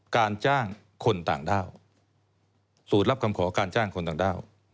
การจ้างคนต่างด้าวสูตรรับคำขอการจ้างคนต่างด้าว